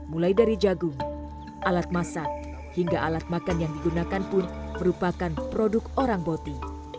mulai dari jagung alat masak hingga alat makan yang digunakan pun merupakan produk orang boti